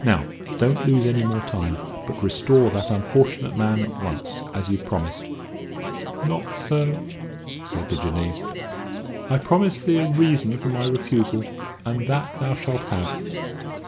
Now, don't lose any more time, but restore that unfortunate man at once, as you've promised." "Not so," said the Jinnee; "I promised thee a reason for my refusal and that thou shalt have.